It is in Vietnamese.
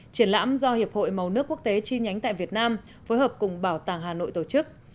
triển lãm do hiệp hội màu nước quốc tế chi nhánh tại việt nam phối hợp cùng bảo tàng hà nội tổ chức